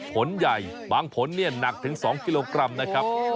ผลใหญ่บางผลเนี่ยหนักถึง๒กิโลกรัมนะครับ